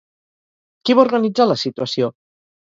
Qui va organitzar la situació?